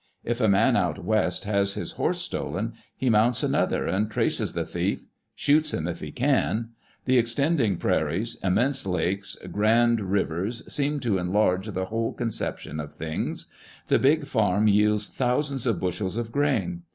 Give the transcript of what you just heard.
If a man out West has his horse stolen, he mounts another and traces the thief; shoots him if he can. The extending prairies, immense lakes, grand rivers, seem to enlarge the whole conception of things. The big farm yields thousands of bushels of grain.